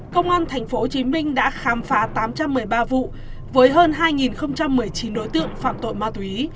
công an tp hcm đã khám phá tám trăm một mươi ba vụ với hơn hai một mươi chín đối tượng phạm tội ma túy